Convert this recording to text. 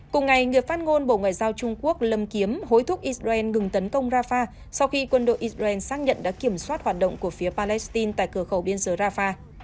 cùng ngày người phát ngôn bộ ngoại giao trung quốc lâm kiếm hối thúc israel ngừng tấn công rafah sau khi quân đội israel xác nhận đã kiểm soát hoạt động của phía palestine tại cửa khẩu biên giới rafah